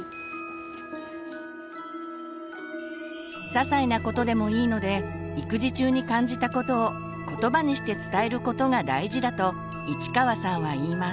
ささいなことでもいいので育児中に感じたことをことばにして伝えることが大事だと市川さんは言います。